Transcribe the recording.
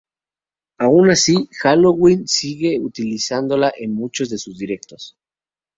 Aun así, Helloween sigue utilizándola en muchos de sus directos.